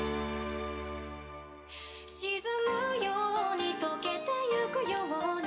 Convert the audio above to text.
「沈むように溶けてゆくように」